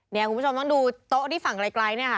คุณผู้ชมต้องดูโต๊ะที่ฝั่งไกลเนี่ยค่ะ